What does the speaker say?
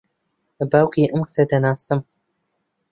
باوکی ئەم کچە دەناسم.